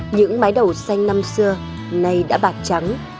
những mái đầu xanh năm xưa nay đã bạc trắng